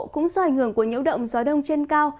cũng do ảnh hưởng của nhiễu động gió đông trên cao